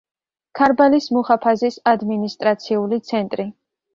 ქარბალის მუჰაფაზის ადმინისტრაციული ცენტრი.